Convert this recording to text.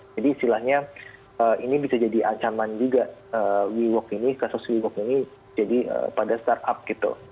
jadi istilahnya ini bisa jadi ancaman juga weworks ini kasus weworks ini jadi pada startup gitu